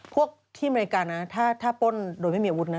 พวกที่อเมริกาถ้าปล้นโดยพิเมียวุฒินนะฮะ